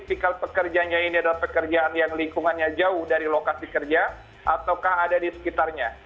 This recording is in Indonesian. tikal pekerjanya ini adalah pekerjaan yang lingkungannya jauh dari lokasi kerja ataukah ada di sekitarnya